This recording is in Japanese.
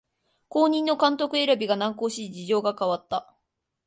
後任の監督選びが難航し事情が変わった